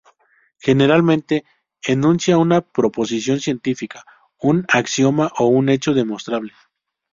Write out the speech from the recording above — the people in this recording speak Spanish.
Generalmente enuncia una proposición científica, un axioma o un hecho demostrable.